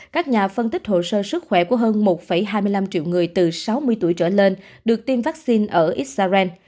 các nhà phân tích hồ sơ sức khỏe của hơn một hai mươi năm triệu người từ sáu mươi tuổi trở lên được tiêm vaccine ở israel